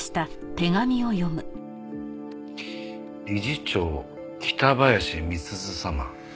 「理事長北林美鈴様」